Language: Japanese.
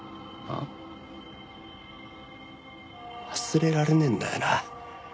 忘れられねえんだよな。